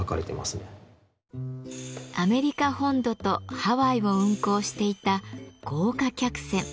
アメリカ本土とハワイを運航していた豪華客船。